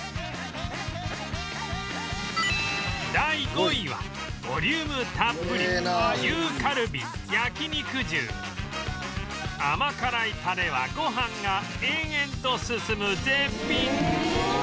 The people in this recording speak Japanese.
第５位はボリュームたっぷり牛カルビ焼肉重甘辛いタレはご飯が延々と進む絶品